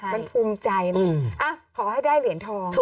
มันภูมิใจนะขอให้ได้เหรียญทอง